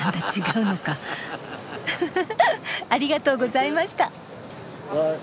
うふふふありがとうございました。